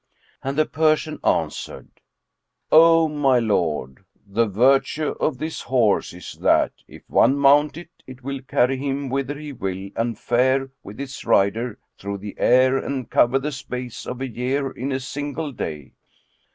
and the Persian answered, "O my lord, the virtue of this horse is that, if one mount him, it will carry him whither he will and fare with its rider through the air and cover the space of a year in a single day."